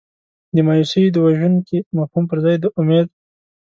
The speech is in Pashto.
د مایوسۍ د وژونکي مفهوم پر ځای د امید.